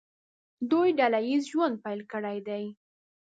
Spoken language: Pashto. دوی ډله ییز ژوند پیل کړی دی.